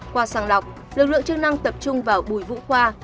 qua sàng lọc lực lượng chức năng tập trung vào bùi vũ khoa